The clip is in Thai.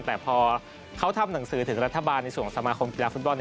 แต่พอเขาทำหนังสือถึงรัฐบาลในส่วนสมาคมกีฬาฟุตบอล